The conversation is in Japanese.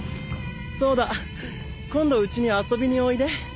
そうだ今度うちに遊びにおいで。